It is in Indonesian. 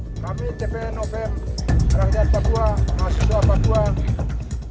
kami tpnov rakyat papua rasulullah papua